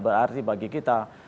berarti bagi kita